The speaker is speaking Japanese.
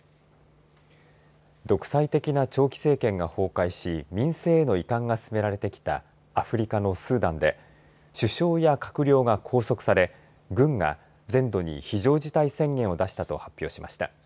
独裁的な長期政権が崩壊し民政への移管が進められてきたアフリカのスーダンで首相や閣僚が拘束され軍が全土に非常事態宣言を出したと発表しました。